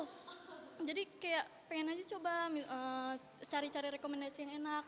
kayak pengen aja coba cari cari rekomendasi yang enak